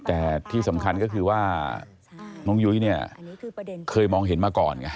แต่ที่สำคัญก็คือว่าน้องยุ้ยเนี่ยเคยมองเห็นมาก่อนไง